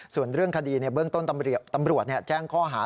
ส่วนเรื่องคดีเบื้องต้นตำรวจแจ้งข้อหา